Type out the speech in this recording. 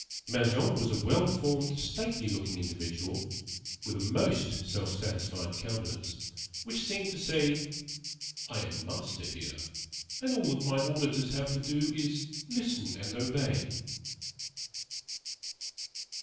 Mangin was a well formed, stately looking individual, with a most self satisfied countenance, which seemed to say: "I am master here; and all that my auditors have to do is, to listen and obey."